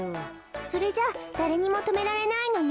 それじゃあだれにもとめられないのね。